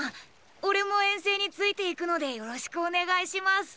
俺も遠征について行くのでよろしくお願いします。